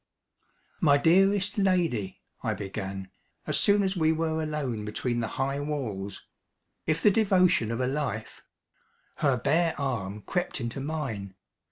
"My dearest lady," I began, as soon as we were alone between the high walls, "if the devotion of a life " Her bare arm crept into mine.